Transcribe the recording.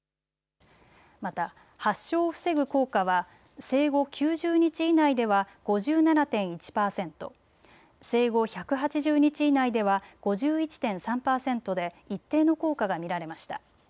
また発症を防ぐ効果は生後９０日以内では５７．１％、生後１８０日以内では５１．３％で一定の効果が見られました。